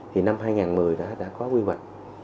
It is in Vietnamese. thì năm hai nghìn một mươi đã có quy hoạch